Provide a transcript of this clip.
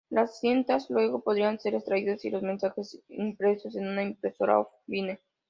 Las cintas luego podrían ser extraídas y los mensajes impresos en una impresora "off-line".